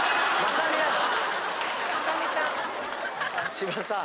千葉さん。